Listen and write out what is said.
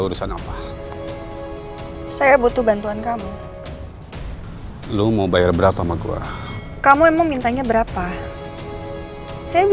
urusan apa saya butuh bantuan kamu lu mau bayar berapa sama guru kamu emang mintanya berapa saya